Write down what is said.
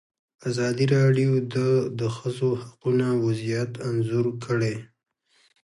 ازادي راډیو د د ښځو حقونه وضعیت انځور کړی.